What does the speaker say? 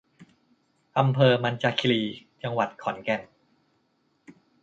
อำเภอมัญจาคีรี จังหวัดขอนแก่น